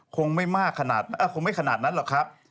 คงไม่มากขนาดคงไม่ขนาดนั้นหรอกครับ